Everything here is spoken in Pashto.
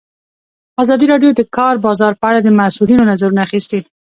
ازادي راډیو د د کار بازار په اړه د مسؤلینو نظرونه اخیستي.